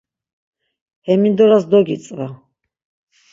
Hemindoras dogitzva.